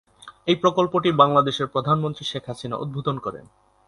এই প্রকল্পটি বাংলাদেশের প্রধানমন্ত্রী শেখ হাসিনা উদ্বোধন করেন।